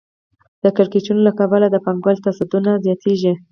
د کړکېچونو له کبله د پانګوالۍ تضادونه زیاتېږي